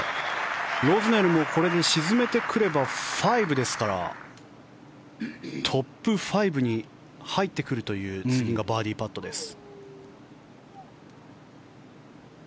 ロズネルもこれで沈めてくれば５ですからトップ５に入ってくるという次がバーディーパットです。